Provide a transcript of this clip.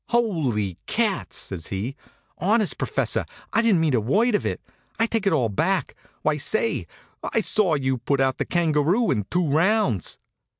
"Holy cats!" says he. "Honest, professor, I didn't mean a word of it. I take it all back. Why say, I saw you put out the Kangaroo in two rounds."